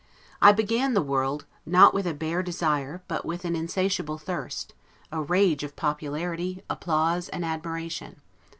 I began the world, not with a bare desire, but with an insatiable thirst, a rage of popularity, applause, and admiration.